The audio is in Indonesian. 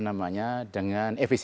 itu kan dengan easy to fly